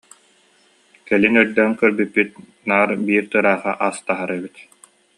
Кэлин өйдөөн көрбүппүт: наар биир тыыраахы ас таһар эбит